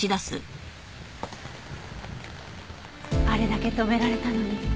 あれだけ止められたのに。